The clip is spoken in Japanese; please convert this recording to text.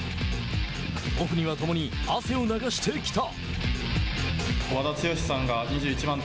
オフには共に汗を流してきた。